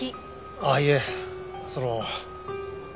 あっいえその。